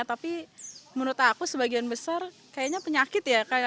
tapi menurut aku sebagian besar kayaknya penyakit ya